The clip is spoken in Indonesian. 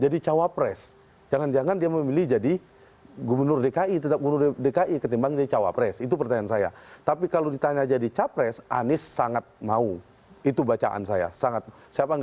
dan dugaan saya tidak mungkin